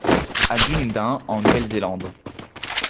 À Dunedin en Nouvelle-Zélande.